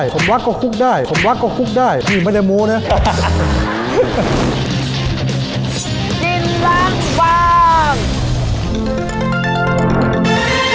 ผมว่าก็คุกได้ที่นี่ไม่ได้โม้เนี่ย